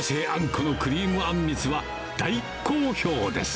このクリームあんみつは大好評です。